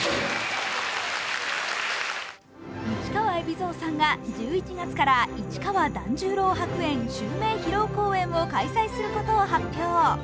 市川海老蔵さんが１１月から市川團十郎白猿襲名披露公演を開催することを発表。